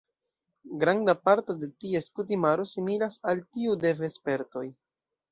Granda parto de ties kutimaro similas al tiu de vespertoj.